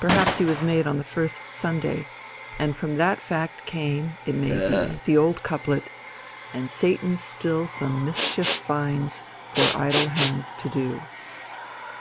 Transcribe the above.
Perhaps he was made on the first Sunday, and from that fact came, it may be, the old couplet, "And Satan still some mischief finds For idle hands to do."